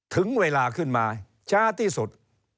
ถึงเวลาขึ้นมาช้าที่สุด